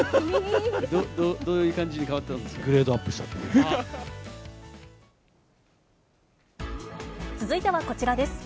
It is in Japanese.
どういう感じに変わったんで続いてはこちらです。